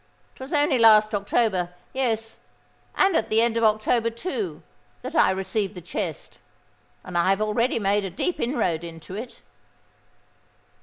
It was only last October—yes, and at the end of October, too—that I received the chest; and I have already made a deep inroad into it."